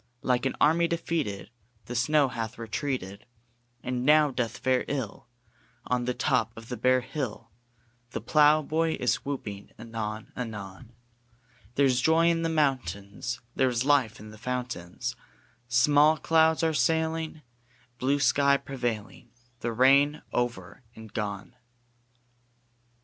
Like an army defeated The snow hath retreated, And now doth fare ill On the top of the bare hill; The ploughboy is whooping anon anon There's joy in the mountains; There's life in the fountains; Small clouds are sailing, Blue sky prevailing; The rain is over and gone!